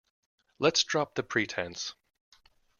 Let’s drop the pretence